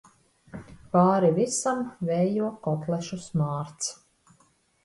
Pāri visam vējo kotlešu smārds.